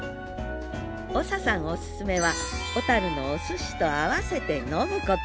長さんおすすめは小のおすしと合わせて飲むこと。